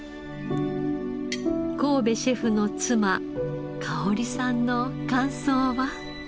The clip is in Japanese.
神戸シェフの妻かをりさんの感想は？